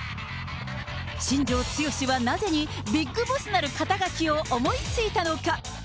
新庄剛志はなぜにビッグボスなる肩書を思いついたのか。